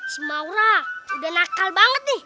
si maura sudah nakal banget nih